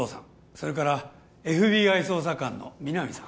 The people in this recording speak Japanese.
それからＦＢＩ捜査官の皆実さん